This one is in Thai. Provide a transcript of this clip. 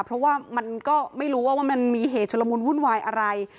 เพราะว่ามันก็ไม่รู้ว่าว่ามันมีเหตุชุลมุนวุ่นวายอะไร